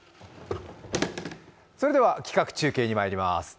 それでは企画中継にまいります。